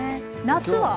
夏は？